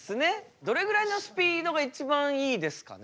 どれぐらいのスピードが一番いいですかね？